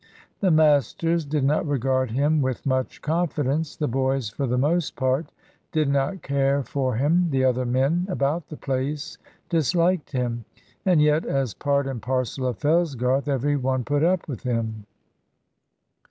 The masters did not regard him with much confidence, the boys, for the most part, did not care for him, the other men about the place disliked him. And yet, as part and parcel of Fellsgarth, every one put up with him.